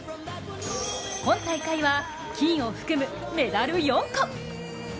今大会は金を含むメダル４個。